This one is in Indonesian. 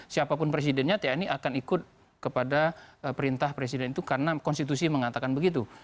siapapun presidennya tni akan ikut kepada perintah presiden itu karena konstitusi mengatakan begitu